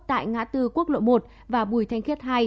tại ngã tư quốc lộ một và bùi thanh khiết hai